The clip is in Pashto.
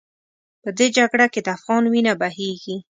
په دې جګړه کې د افغان وینه بهېږي.